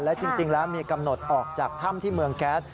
และจริงแล้วมีกำหนดออกจากถ้ำที่เมืองแก๊ส